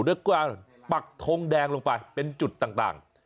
ด้วยการปักทงแดงลงไปเป็นจุดต่าง